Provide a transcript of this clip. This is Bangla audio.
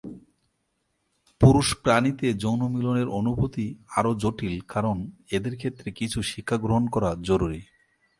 পুরুষ প্রাণীতে যৌনমিলনের অনুভূতি আরও জটিল কারণ এদের ক্ষেত্রে কিছু শিক্ষাগ্রহণ করা জরুরী।